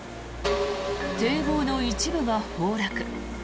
堤防の一部が崩落。